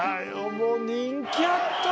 もう人気あった。